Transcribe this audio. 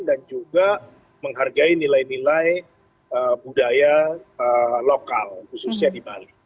dan juga menghargai nilai nilai budaya lokal khususnya di bali